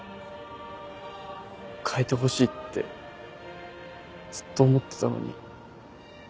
変えてほしいってずっと思ってたのに。